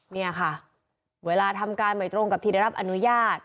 เนี่ยค่ะเวลาทำการไม่ตรงกับที่ได้รับอนุญาต